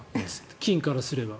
菌からすれば。